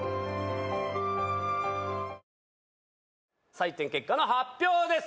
採点結果の発表です。